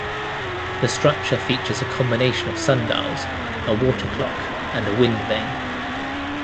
The structure features a combination of sundials, a water clock, and a wind vane.